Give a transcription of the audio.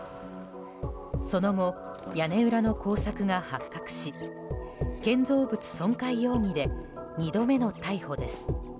その後、屋根裏の工作が発覚し建造物損壊容疑で２度目の逮捕です。